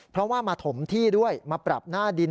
เพราะว่ามาถมที่ด้วยมาปรับหน้าดิน